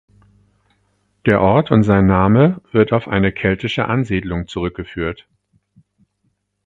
Der Ort und sein Name wird auf eine keltische Ansiedlung zurückgeführt.